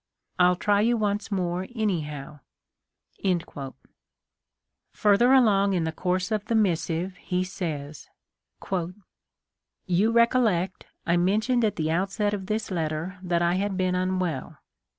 I'll try you once more, anyhow." Further along in the course of the missive, he says: " You recollect, I mentioned at the outset of this letter, that I had been unwell.